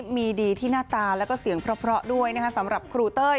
มีดีที่หน้าตาแล้วก็เสียงเพราะด้วยสำหรับครูเต้ย